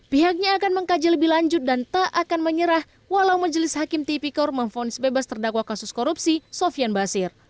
pihaknya akan mengkaji lebih lanjut dan tak akan menyerah walau majelis hakim tipikor memfonis bebas terdakwa kasus korupsi sofian basir